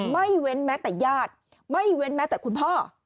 ไม่เว้นแม้แต่ญาติไม่เว้นแม้แต่คุณพ่อ